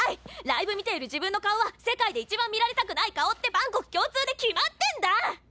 ライブ見ている自分の顔は世界で一番見られたくない顔って万国共通で決まってんだ！